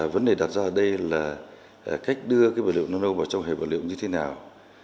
vấn đề đặt ra ở đây là cách đưa cái vật liệu nano vào trong hệ vật liệu như thế nào